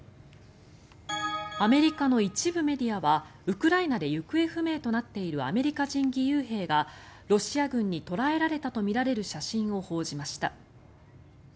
アメリカの一部メディアはウクライナで行方不明となっているアメリカ人義勇兵が、ロシア軍に捕らえられたとみられる写真を報じました。